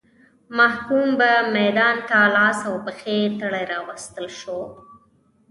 محکوم به میدان ته لاس او پښې تړلی راوستل شو.